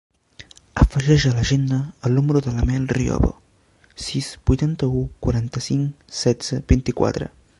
Afegeix a l'agenda el número de la Mel Riobo: sis, vuitanta-u, quaranta-cinc, setze, vint-i-quatre.